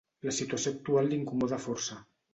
La situació actual l'incomoda força.